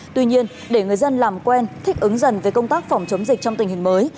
tuy nhiên để người dân làm quen thích ứng dần với công tác phòng chống dịch trong tình hình mới